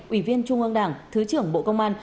ủy viên trung ương đảng thứ trưởng bộ công an